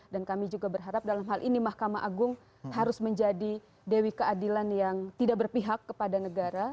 dan kami juga berharap dalam hal ini mahkamah agung harus menjadi dewi keadilan yang tidak berpihak kepada negara